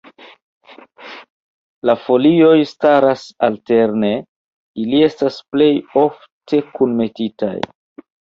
La folioj staras alterne, ili estas plej ofte kunmetitaj.